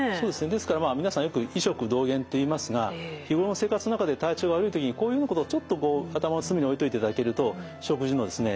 ですから皆さんよく「医食同源」っていいますが日頃の生活の中で体調悪い時にこういうようなことをちょっとこう頭の隅に置いといていただけると食事のですね